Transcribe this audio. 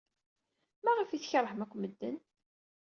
Maɣef ay tkeṛhem akk medden?